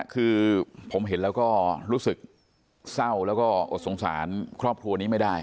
คือผมเห็นแล้วก็รู้สึกเศร้าแล้วก็อดสงสารครอบครัวนี้ไม่ได้